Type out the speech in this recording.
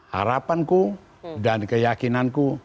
harapanku dan keyakinanku